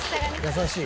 優しい。